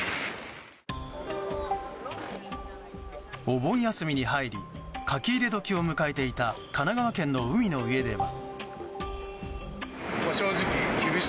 お盆休みに入り書き入れ時を迎えていた神奈川県の海の家では。